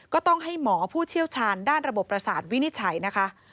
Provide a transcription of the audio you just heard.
ก็ต้องให้หมอผู้เชี่ยวชาญด้านระบบประสาทวินิจฉัยนะคะ